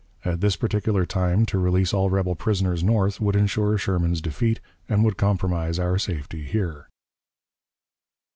At this particular time to release all rebel prisoners North would insure Sherman's defeat, and would compromise our safety here."